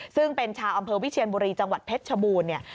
ซึ่งเป็นชาวอำเภอวิเชียนบุรีจังหวัดเพชรชบูรณ์เนี่ย